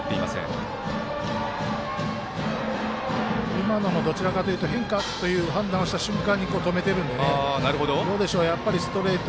今のもどちらかというと変化という判断をした瞬間に止めているのでやっぱりストレート。